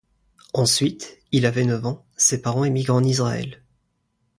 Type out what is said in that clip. Ensuite – il avait neuf ans – ses parents émigrent en Israël.